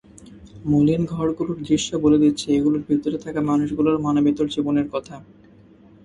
মলিন ঘরগুলোর দৃশ্য বলে দিচ্ছে এগুলোর ভেতরে থাকা মানুষগুলোর মানবেতর জীবনের কথা।